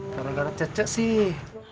gara gara cecek sih